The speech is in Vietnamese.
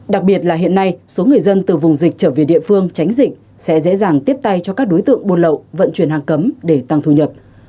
đặc biệt là hiện nay số người dân từ vùng dịch trở về địa phương tránh dịch sẽ dễ dàng tiếp tay cho các đối tượng buôn lậu vận chuyển hàng cấm để tăng thu nhập